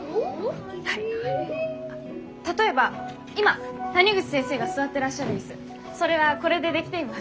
例えば今谷口先生が座ってらっしゃる椅子それはこれで出来ています。